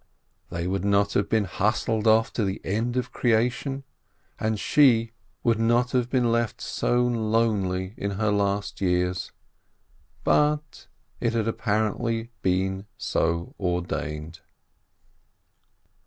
They would not have been hustled off to the end of creation, and she would not 300 BERSCHADSKI have been left so lonely in her last years, but — it had apparently been so ordained!